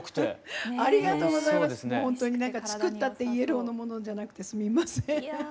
ほんとに作ったって言えるようなものじゃなくてすみません。